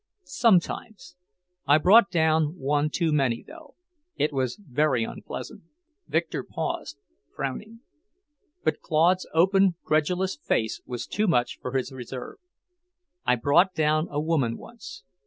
"Sometimes. I brought down one too many, though; it was very unpleasant." Victor paused, frowning. But Claude's open, credulous face was too much for his reserve. "I brought down a woman once.